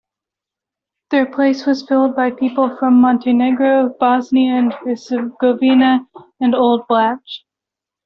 Their place was filled by people from Montenegro, Bosnia and Hercegovina and Old Vlach.